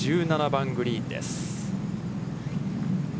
１７番グリーンです。